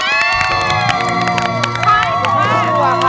คุณพี่ต้มมัวค่ะ